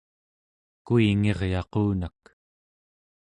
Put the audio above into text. kuingiryaqunak